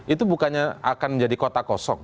itu bukannya akan menjadi kota kosong